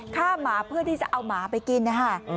หมาเพื่อที่จะเอาหมาไปกินนะคะ